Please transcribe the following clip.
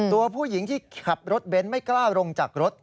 ตัวผู้หญิงที่ขับรถเบนท์ไม่กล้าลงจากรถ